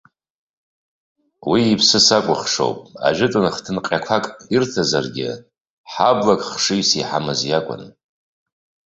Уи иԥсы сакәыхшоуп, ажәытәан хҭынҟьақәак ирҭазаргьы, ҳаблак хшыҩс иҳамаз иакәын.